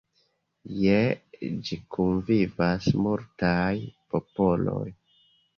Je ĝi kunvivas multaj popoloj.